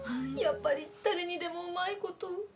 やっぱり誰にでもうまい事を。